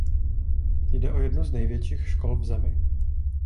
Jde o jednu z největších škol v zemi.